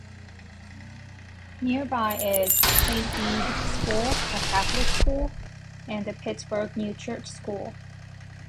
Nearby is Saint Bede School, a Catholic school, and the Pittsburgh New Church School.